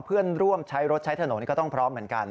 เพื่อนร่วมใช้รถใช้ถนนก็ต้องพร้อมเหมือนกัน